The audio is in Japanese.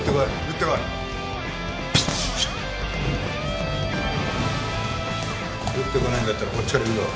打ってこないんだったらこっちからいくぞ。